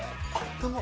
どうも。